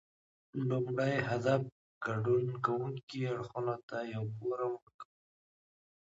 لومړی هدف ګډون کوونکو اړخونو ته یو فورم ورکول دي